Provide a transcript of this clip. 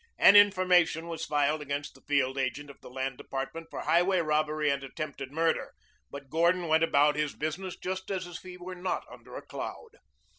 An information was filed against the field agent of the Land Department for highway robbery and attempted murder, but Gordon went about his business just as if he were not under a cloud.